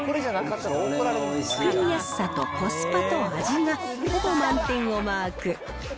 作りやすさとコスパと味がほぼ満点をマーク。